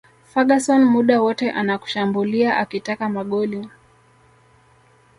Ferguson muda wote anakushambulia akitaka magoli